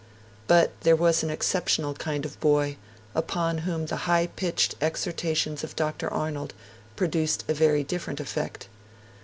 But there was an exceptional kind of boy, upon whom the high pitched exhortations of Dr. Arnold produced a very different effect.